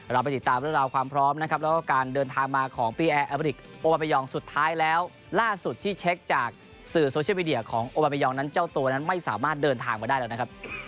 เราติดตามความพร้อมของฟุตบอลชิงท้วยภรรยศธานคิง